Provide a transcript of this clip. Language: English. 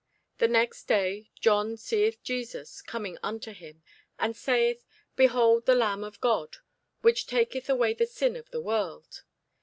The next day John seeth Jesus coming unto him, and saith, Behold the Lamb of God, which taketh away the sin of the world.